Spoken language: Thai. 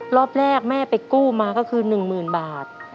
รอบแรกแม่ไปกู้มาก็คือ๑๐๐๐บาท